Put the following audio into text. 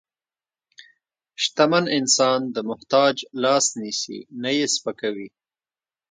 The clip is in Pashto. شتمن انسان د محتاج لاس نیسي، نه یې سپکوي.